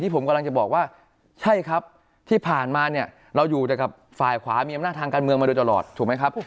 ผมกำลังจะบอกว่าใช่ครับที่ผ่านมาเนี่ยเราอยู่แต่กับฝ่ายขวามีอำนาจทางการเมืองมาโดยตลอดถูกไหมครับ